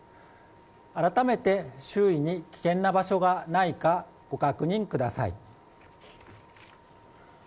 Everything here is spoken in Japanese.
改めて周囲に危険な場所がないかご確認ください。